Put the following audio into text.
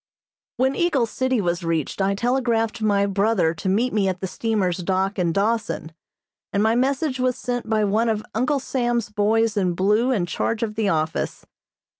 When Eagle City was reached I telegraphed my brother to meet me at the steamer's dock in Dawson, and my message was sent by one of Uncle Sam's boys in blue in charge of the office.